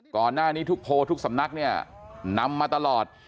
ก่อนหน้านี้ทุกโพลทุกสำนักเนี่ยนำมาตลอด